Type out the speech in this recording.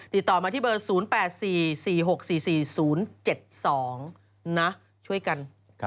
ติดต่อมาที่เบอร์๐๘๔๔๖๔๔๐๗๒นะช่วยกัน